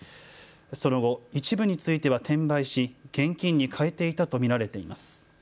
その後、一部については転売し現金に換えていたと見られています。